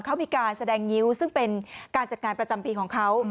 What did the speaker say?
เขามีการแสดงงิ้วซึ่งเป็นการจัดงานประจำปีของเขา